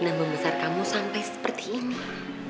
nama besar kamu sampai seperti ini